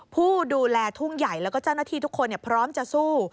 ผู้ดูแลทุ่งใหญ่แล้วก็เจ้าหน้าที่ทุกคนพร้อมจะสู้